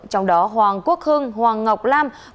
trong đó hoàng quốc hưng hoàng ngọc lam